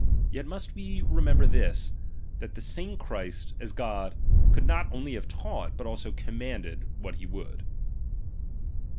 Yet must ^^H we remember this, that the same Christ, as God, ^^H could not only have taught, but also commanded ^^H what he would.